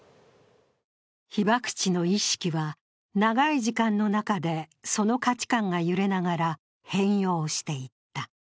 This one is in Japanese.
被爆地の意識は長い時間の中でその価値観が揺れながら変容していった。